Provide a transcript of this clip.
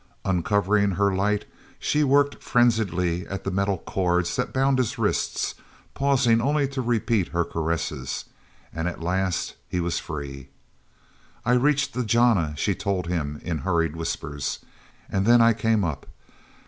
Uncovering her light, she worked frenziedly at the metal cords that bound his wrists, pausing only to repeat her caresses—and at last he was free. "I reached the jana," she told him in hurried whispers, "and then I came up.